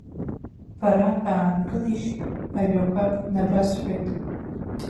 Бара, баангылишь, ажәақәак набасҳәоит!